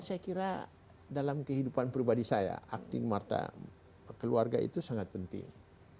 saya kira dalam kehidupan pribadi saya akting marta keluarga itu sangat penting